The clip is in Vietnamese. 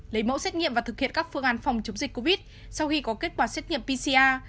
lấy mẫu xét nghiệm và thực hiện các phương án phòng chống dịch covid một mươi chín sau khi có kết quả xét nghiệm pcr